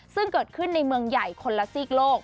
ซึ่งเกิดขึ้นในเมืองใหญ่คนละซีกโลก